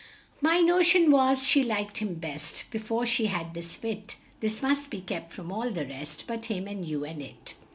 "My no tion was, she liked him best, (Be fore she had this fit) This must be kept from all the rest But him and you and it."